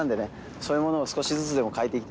そういうものを少しずつでも変えていきたいなと。